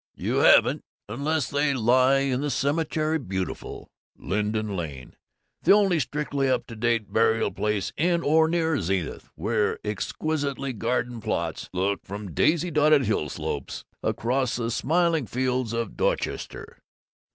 You haven't unless they lie in the Cemetery Beautiful. LINDEN LANE the only strictly up to date burial place in or near Zenith, where exquisitely gardened plots look from daisy dotted hill slopes across the smiling fields of Dorchester.